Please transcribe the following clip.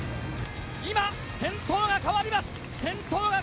今、先頭が変わります。